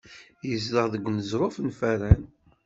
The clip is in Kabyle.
Izdeɣ deg uneẓruf n Faran.